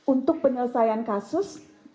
untuk penyelesaian kasus